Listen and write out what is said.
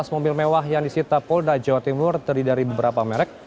lima belas mobil mewah yang disita polda jawa timur terdiri dari beberapa merek